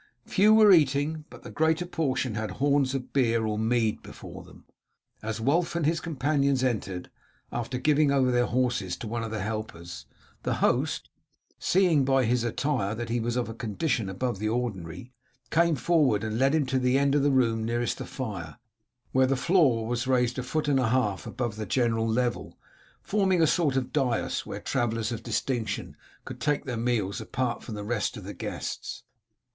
Few were eating, but the greater portion had horns of beer or mead before them. As Wulf and his companions entered, after giving over their horses to one of the helpers, the host, seeing by his attire that he was of condition above the ordinary, came forward and led him to the end of the room nearest the fire, where the floor was raised a foot and a half above the general level, forming a sort of dais where travellers of distinction could take their meals apart from the rest of the guests.